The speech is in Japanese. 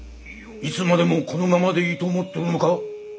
いつまでもこのままでいいと思っとるのか？